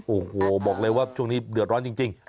โอ้โหบอกเลยว่าช่วงนี้เดือดร้อนจริง